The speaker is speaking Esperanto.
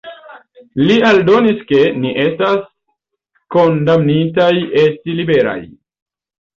Li aldonis ke “ni estas kondamnitaj esti liberaj”.